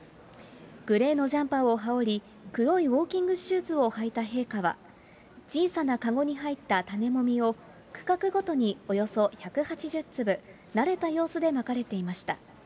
グレーのジャンパーを羽織り、黒いウォーキングシューズを履いた陛下は、小さなかごに入った種もみを区画ごとにおよそ１８０粒、慣れた様子でまかれていました。